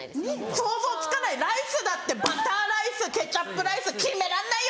想像つかないライスだってバターライスケチャップライス決めらんないよ